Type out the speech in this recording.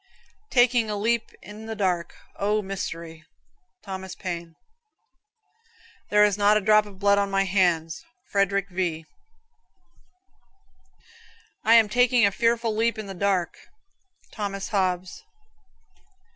"Taking a leap in the dark. O, mystery." Thomas Paine. "There is not a drop of blood on my hands."' Frederick V. "I am taking a fearful leap in the dark." Thomas Hobbes.